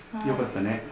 よかったね。